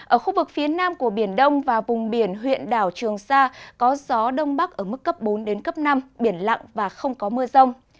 ở khu vực phía nam của biển đông và vùng biển huyện đảo trường sa có gió đông bắc ở mức cấp bốn đến cấp năm biển lặng và không có mưa rông